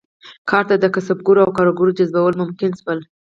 کار ته د کسبګرو او کارګرو جذبول ممکن شول.